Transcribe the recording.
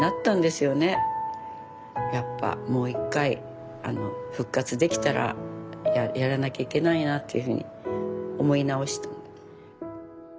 やっぱもう一回復活できたらやらなきゃいけないなっていうふうに思い直したの。